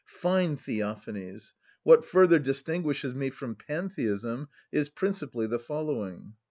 Fine theophanies! What further distinguishes me from Pantheism is principally the following.